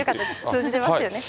通じてますよね。